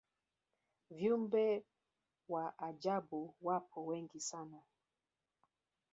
viumbe wa ajabu wapo wengi sana